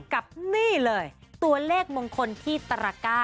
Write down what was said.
กับนี่เลยตัวเลขมงคลที่ตระก้า